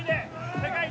世界一。